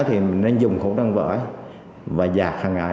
thì mình nên dùng khẩu trang vỡ và giạc hàng ngày